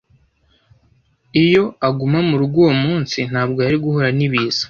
Iyo aguma murugo uwo munsi, ntabwo yari guhura nibiza